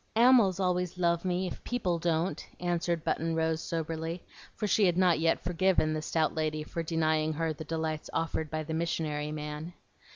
"Ammals always love me, if people don't," answered Button Rose, soberly; for she had not yet forgiven the stout lady for denying her the delights offered by the "missionary man."